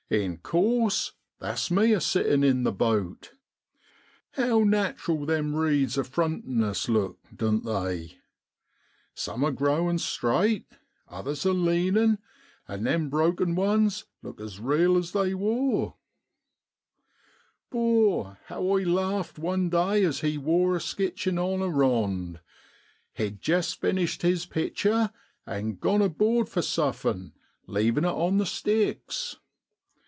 In course that's me a sitting in the boat. How natural them reeds a frontin' us look, doan't they ? Some are growing straight, others a leanin', and them broken ones look as real as they wor. 'Bor, how I larfed one day as he wor a sketchin' on a rond (Dutch rand). He'd jest finished his pictur', an' gone aboard for suffin' leavin' it on the sticks.